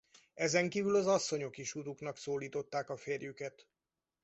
Ezenkívül az asszonyok is uruknak szólították a férjüket.